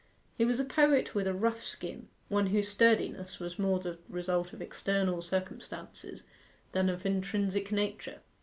He was a poet with a rough skin: one whose sturdiness was more the result of external circumstances than of intrinsic nature.